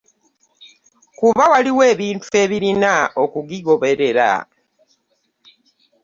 Kuba waliwo ebintu ebirina okukigoberera.